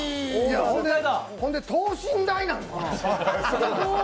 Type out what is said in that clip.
ほんで等身大なの？